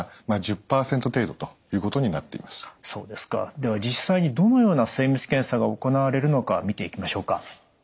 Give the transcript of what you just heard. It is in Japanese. では実際にどのような精密検査が行われるのか見ていきましょうか。